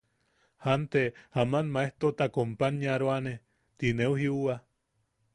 Jante aman maejtoota companyaroane ti neu jiuwa.